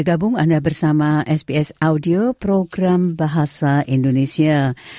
anda bersama sbs bahasa indonesia